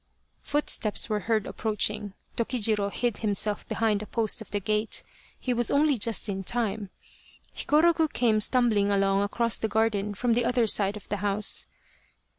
Footsteps were heard approaching, Tokijiro hid himself behind a post of the gate. He was only just in time. Hikoroku came stumbling along across the garden from the other side of the house.